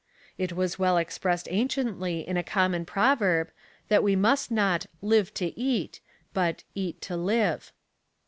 It was well expressed anciently in a common proverb, that we must not live to eat ; but eat to live.